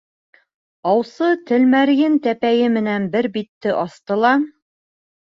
Аусы Тәлмәрйен тәпәйе менән бер битте асты ла: